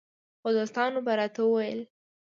خو دوستانو به راته ویل